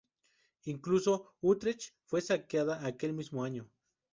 Incluso Utrecht fue saqueada aquel mismo año.